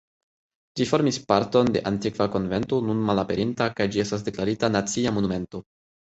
Ĝi formis parton de antikva konvento nun malaperinta kaj ĝi estas deklarita Nacia Monumento.